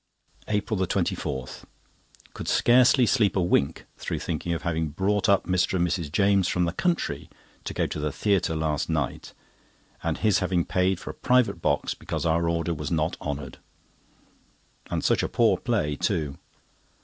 APRIL 24.—Could scarcely sleep a wink through thinking of having brought up Mr. and Mrs. James from the country to go to the theatre last night, and his having paid for a private box because our order was not honoured, and such a poor play too.